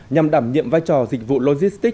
nhằm đảm nhiệm vai trò dịch vụ logistic